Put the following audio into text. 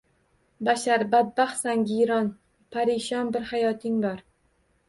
Bashar! Badbaxtsan giryon, parishon bir hayoting bor